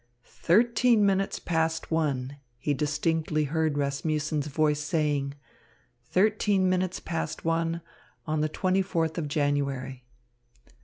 "Thirteen minutes past one," he distinctly heard Rasmussen's voice saying, "thirteen minutes past one, on the twenty fourth of January."